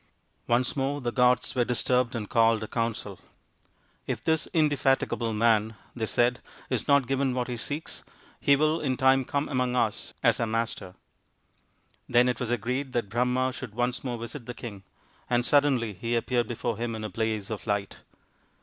Once more the gods were disturbed and called a council. " If this indefatigable man," they said, " is not given what he seeks, he will in time come among us as our master." Then it was agreed that Brahma should once more visit the king, and suddenly he appeared before him in a blaze of light.